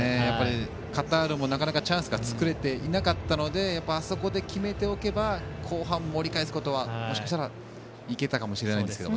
カタールもなかなかチャンスが作れていなかったのであそこで決めておけば後半、盛り返すことはもしかしたらいけたかもしれないですね。